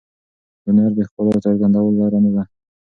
هنر د ښکلا د څرګندولو لاره نه ده.